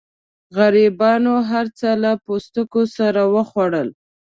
غریبانو هرڅه له پوستکو سره وخوړل.